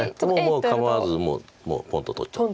もう構わずポンと取っちゃって。